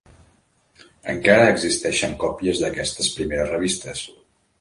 Encara existeixen còpies d'aquestes primeres revistes.